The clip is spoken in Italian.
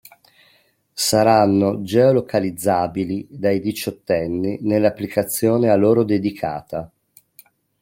Saranno geo-localizzabili dai diciottenni nell'applicazione a loro dedicata.